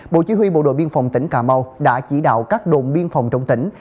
bộ chí huy bộ đội biên phòng tỉnh cà mau đã chỉ đạo các đồn biên phòng trong tỉnh